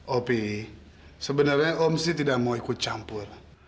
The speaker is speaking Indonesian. opi sebenernya om sih tidak mau ikut campur